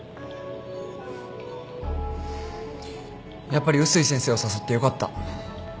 やっぱり碓井先生を誘ってよかった。